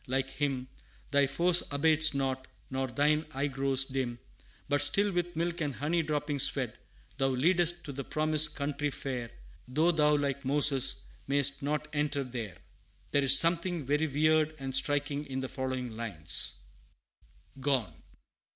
like him Thy force abates not, nor thine eye grows dim; But still with milk and honey droppings fed, Thou leadest to the Promised Country fair, Though thou, like Moses, may'st not enter there There is something very weird and striking in the following lines: GONE.